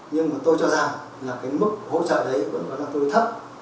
nhưng mà tôi cho rằng là cái mức hỗ trợ đấy vẫn vẫn là tối thấp